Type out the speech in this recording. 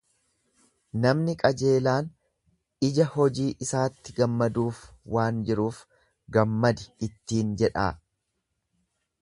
Namni qajeelaan ija hojii isaatti gammaduuf waan jiruuf gammadi ittiin jedhaa!